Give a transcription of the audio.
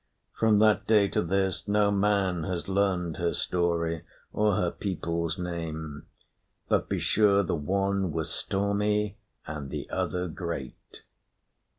From that day to this no man has learned her story or her people's name; but be sure the one was stormy and the other great.